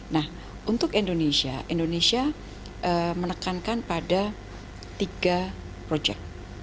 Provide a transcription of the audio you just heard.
nah untuk indonesia indonesia menekankan pada tiga proyek